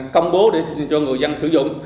công bố cho người dân sử dụng